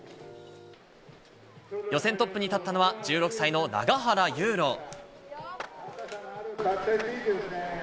予選トップに立ったのは、１６歳の永原悠路。